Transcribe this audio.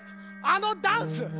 あのダンス！